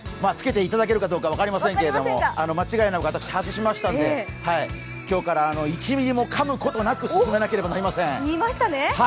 つけていただけるかどうか分かりませんけれども、間違いなく、私、外しましたので今日から１ｍｍもかむことなく言いましたね？